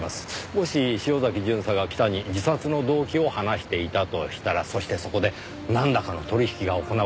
もし潮崎巡査が北に自殺の動機を話していたとしたらそしてそこでなんらかの取引が行われていたとしたら。